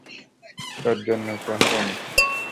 তোর জন্য উপহার এনেছি।